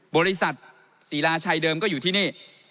บริษัทศรีราชัยเดิมก็อยู่ที่นี่